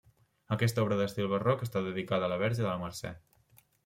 Aquesta obra d'estil barroc està dedicada a la verge de la Mercè.